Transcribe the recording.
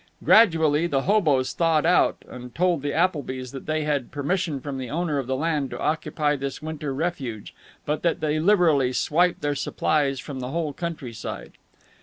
Gradually the hoboes thawed out and told the Applebys that they had permission from the owner of the land to occupy this winter refuge, but that they liberally "swiped" their supplies from the whole countryside.